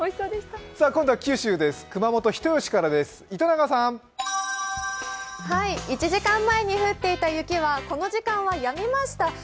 今度は九州です、熊本・人吉からです、糸永さん。１時間前に降っていた雪はこの時間はやみました。